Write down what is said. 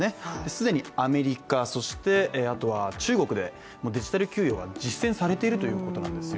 既にアメリカ、そして中国でデジタル給与は実践されているということなんです。